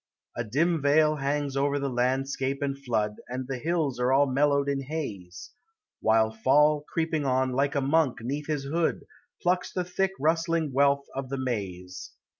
A dim veil hangs over the landscape and flood, And the hills are all mellowed in haze, While Fall, creeping on like a monk 'neath his hood, Plucks the thick rust lini> wealth of the maize.